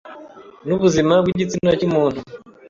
n’ubuzima bw’igitsina cy’umuntu,